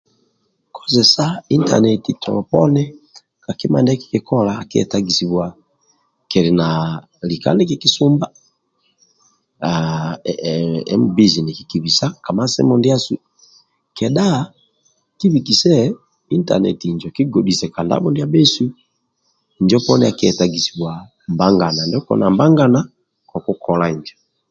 Kozesa intaneti tolo poni ka kima ndie kikola akietagisibwa kiki lika nikikisumba hhh emubizi nikikibisa ka masimu ndiasu kedha kibikise intaneti injo kigodhise ka ndabho ndia bhesu injo poni akietagisibwa mbagana ndio koli na mbagana kokukola injo